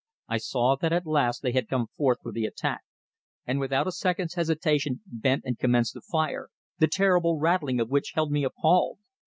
I saw that at last they had come forth for the attack, and without a second's hesitation bent and commenced a fire, the terrible rattling of which held me appalled.